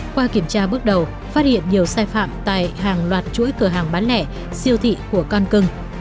qua kiểm tra bước đầu phát hiện nhiều sai phạm tại hàng loạt chuỗi cửa hàng bán lẻ siêu thị của con cưng